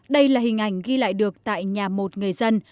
đây là hình ảnh ghi lại được tại nhà một người dân